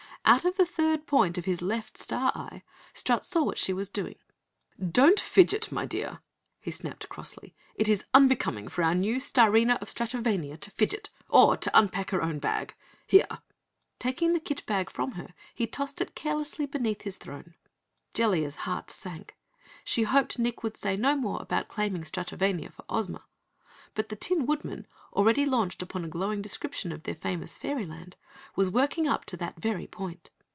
Out of the third point of his left star eye, Strut saw what she was doing. "Don't fidget, my dear," he snapped crossly. "It is unbecoming for our new Starina of Stratovania to fidget, or to unpack her own bag. Here " Taking the kit bag from her he tossed it carelessly beneath his throne. Jellia's heart sank. She hoped Nick would say no more about claiming Stratovania for Ozma. But the Tin Woodman, already launched upon a glowing description of their famous Fairy Land, was working up to that very point.